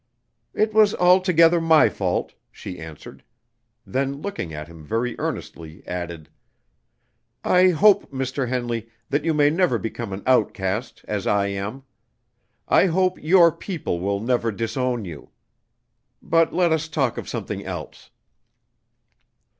"It was altogether my fault," she answered. Then looking at him very earnestly, added: "I hope, Mr. Henley, that you may never become an outcast, as I am. I hope your people will never disown you. But let us talk of something else."